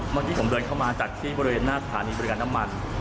เมื่อกี้ผมเดินเข้ามาจากที่บริเวณหน้าสถานีบริการน้ำมัน